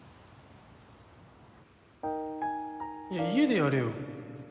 いや家でやれよ。